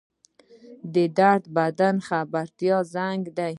درد د بدن د خبرتیا زنګ دی